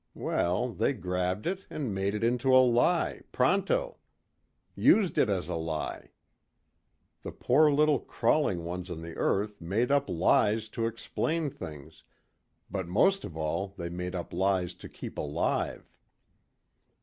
Well, they grabbed it and made it into a lie, pronto! used it as a lie. The poor little crawling ones on the earth made up lies to explain things but most of all they made up lies to keep alive.